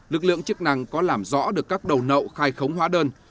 lực lượng chức năng có làm rõ được các đầu nậu khai khống hóa đơn